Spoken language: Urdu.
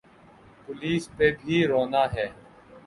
پولیس پہ بھی رونا ہے۔